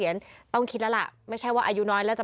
ด้วยร่ำเยาะ